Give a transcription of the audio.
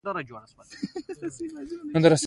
حکومت باید د خلکو غوښتني په نظر کي ونيسي.